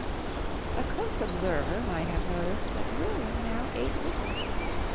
A close observer might have noticed that William now ate little.